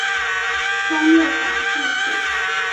通六法篆刻。